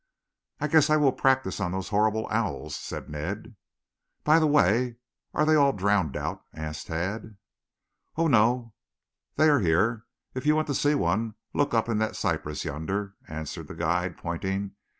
"I guess I will practise on those horrible owls," said Ned. "By the way, are they all drowned out?" asked Tad. "Oh, no. They are here. If you want to see one, look up in that cypress yonder," answered the guide, pointing.